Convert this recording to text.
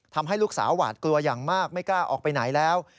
ทำให้ลูกสาวหวาดกลัวอย่างมากไม่กล้าออกไปไหนแล้ว